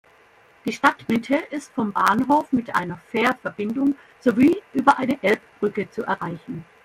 Die Stadtmitte ist vom Bahnhof mit einer Fährverbindung sowie über eine Elbbrücke zu erreichen.